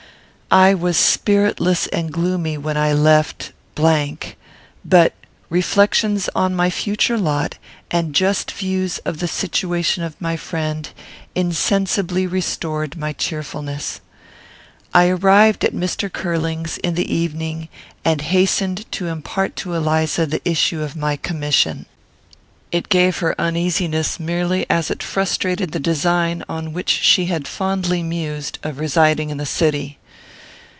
I was spiritless and gloomy when I left ; but reflections on my future lot, and just views of the situation of my friend, insensibly restored my cheerfulness. I arrived at Mr. Curling's in the evening, and hastened to impart to Eliza the issue of my commission. It gave her uneasiness, merely as it frustrated the design, on which she had fondly mused, of residing in the city.